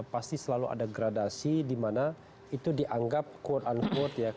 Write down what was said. pasti selalu ada gradasi di mana itu dianggap quote unquote ya